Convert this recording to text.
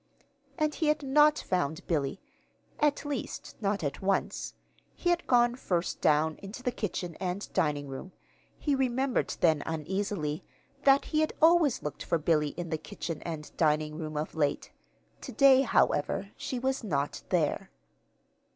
And he had not found Billy at least, not at once. He had gone first down into the kitchen and dining room. He remembered then, uneasily, that he had always looked for Billy in the kitchen and dining room, of late. To day, however, she was not there.